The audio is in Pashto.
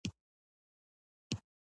د محصل لپاره لوستل عادت ګرځي.